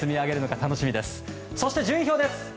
そして順位表です。